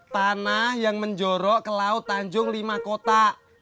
tanah yang menjorok ke laut tanjung lima kota